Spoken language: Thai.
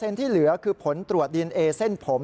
ที่เหลือคือผลตรวจดีเอนเอเส้นผม